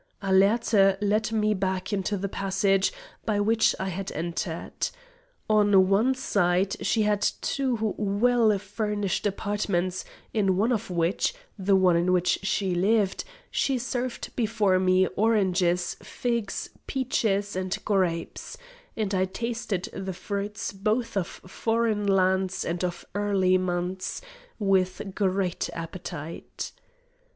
Alerte led me back into the passage by which I had entered. On one side, she had two well furnished apartments, in one of which the one in which she lived she served before me oranges, figs, peaches, and grapes, and I tasted the fruits both of foreign lands and of early months, with great appetite.